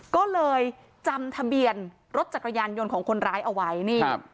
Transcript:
ก็เลยจำทะเบียนรถจักรยานยนต์ของคนร้ายเอาไว้นี่ครับ